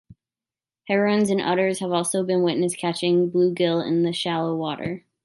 Herons and otters have also been witnessed catching bluegill in shallow water.